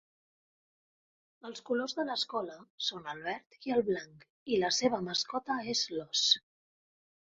Els colors de l'escola són el verd i el blanc, i la seva mascota és l'ós.